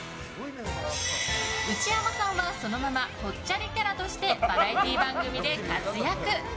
内山さんは、そのままぽっちゃりキャラとしてバラエティー番組で活躍。